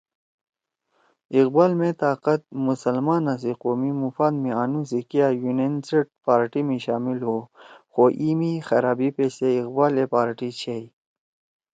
اقبال مے طاقت مسلمانا سی قومی مفاد می آنُو سی کیا یونینسٹ پارٹی می شامل ہُو خو ایمی خرابی پیشتے اقبال اے پارٹی چھیئی